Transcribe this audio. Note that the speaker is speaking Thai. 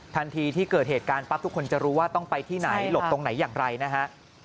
ทันทีที่เกิดเหตุการณ์ปั๊บทุกคนจะรู้ว่าต้องไปที่ไหนหลบตรงไหนอย่างไรนะฮะ